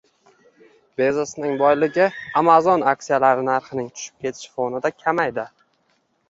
Bezosning boyligi Amazon aksiyalari narxining tushib ketishi fonida kamaydi